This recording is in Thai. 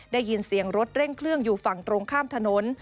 ได้ยินเสียงรถเร่งเครื่องอยู่ฝั่งตรงข้ามถนน